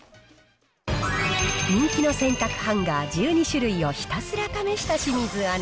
人気の洗濯ハンガー１２種類をひたすら試した清水アナ。